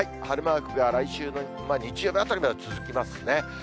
晴れマークが来週の日曜日あたりまで続きますね。